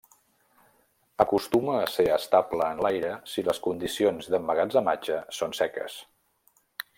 Acostuma a ser estable en l'aire si les condicions d’emmagatzematge són seques.